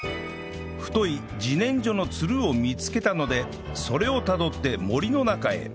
太い自然薯のツルを見つけたのでそれをたどって森の中へ